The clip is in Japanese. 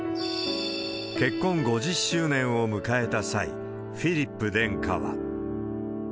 結婚５０周年を迎えた際、フィリップ殿下は。